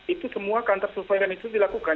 itu semua counter surveillance itu dilakukan